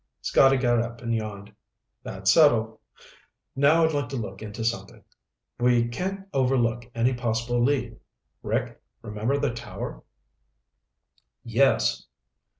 Scotty got up and yawned. "That's settled. Now I'd like to look into something. We can't overlook any possible lead. Rick, remember the tower?" "Yes."